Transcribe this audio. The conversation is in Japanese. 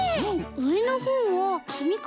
うえのほうはかみコップかな？